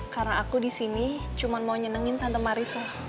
karena aku disini cuma mau nyenengin tante marissa